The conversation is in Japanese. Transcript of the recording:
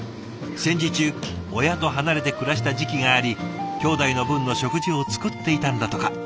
戦時中親と離れて暮らした時期がありきょうだいの分の食事を作っていたんだとか。